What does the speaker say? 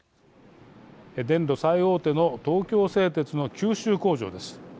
電炉最大手の東京製鐵の九州工場です。